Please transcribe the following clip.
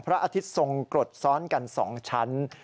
อาทิตย์ทรงกรดซ้อนกัน๒ชั้น